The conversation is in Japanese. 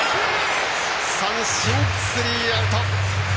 三振、スリーアウト！